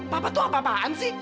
papa tuh apa apaan sih